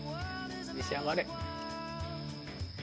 召し上がれ。